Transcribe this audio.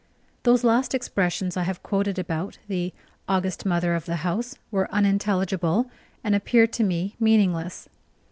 Those last expressions I have quoted about the "august Mother of the house" were unintelligible, and appeared to me meaningless.